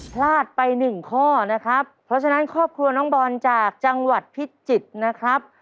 พลาดไปหนึ่งข้อนะครับเพราะฉะนั้นครอบครัวน้องบอลจากจังหวัดพิจิตรนะครับ